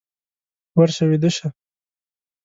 ورشه ويده شه!